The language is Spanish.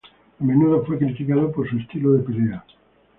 A menudo fue criticado por su estilo de pelea.